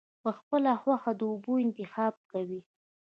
پۀ خپله خوښه د اوبو انتخاب کوي -